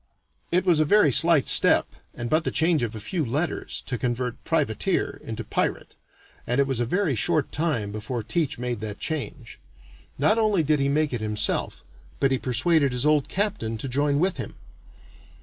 It was a very slight step, and but the change of a few letters, to convert "privateer" into "pirate," and it was a very short time before Teach made that change. Not only did he make it himself, but he persuaded his old captain to join with him.